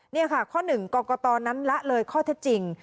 นี่ค่ะข้อหนึ่งกรกตนั้นละเลยข้อเท็จจริง